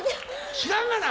知らんがな！